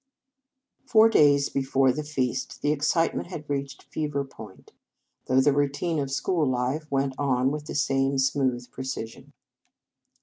Four days before the feast the ex citement had reached fever point, though the routine of school life went on with the same smooth precision.